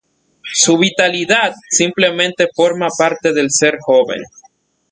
Su vitalidad simplemente forma parte del ser joven.